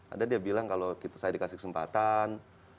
ada dia bilang kalau saya dikasih kesempatan